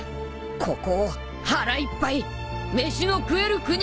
ここを腹いっぱい飯の食える国にしてやるって！